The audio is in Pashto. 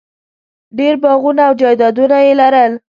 ډېر باغونه او جایدادونه یې لرل.